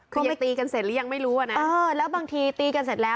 คือยังตีกันเสร็จหรือยังไม่รู้วะนะ